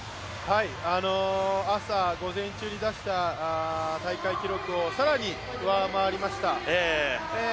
朝、午前中に出した大会記録を更に上回りました。